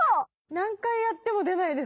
何回やっても出ないです